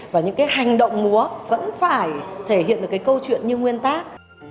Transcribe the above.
và những cái hành động múa vẫn phải thể hiện được cái câu chuyện như nguyên tác